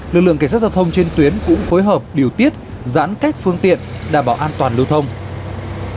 lực lượng cảnh sát giao thông trên tuyến cũng phối hợp điều tiết giãn cách phương tiện đảm bảo an toàn lưu thông